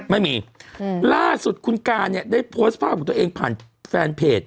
ไม่มีล่าสุดคุณการเนี่ยได้โพสต์ภาพของตัวเองผ่านแฟนเพจ